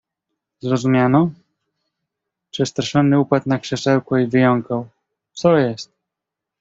"Zrozumiano?“ Przestraszony upadł na krzesełko i wyjąkał: „Co jest?"